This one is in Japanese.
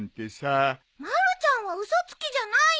まるちゃんは嘘つきじゃないよ！